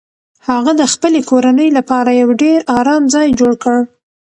هغه د خپلې کورنۍ لپاره یو ډیر ارام ځای جوړ کړ